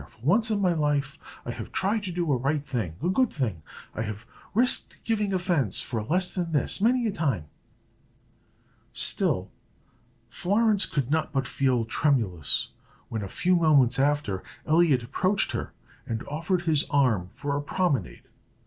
For once in my life I have tried to do a right thing a good thing. I have risked giving offence for less than this, many a time." Still, Florence could not but feel tremulous, when, a few moments after, Elliot approached her and offered his arm for a promenade.